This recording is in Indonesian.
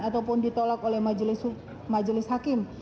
ataupun ditolak oleh majelis hakim